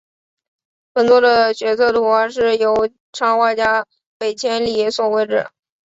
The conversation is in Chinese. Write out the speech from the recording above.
本作的角色图画是由插画家北千里所绘制。